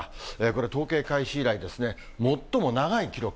これ、統計開始以来ですね、最も長い記録。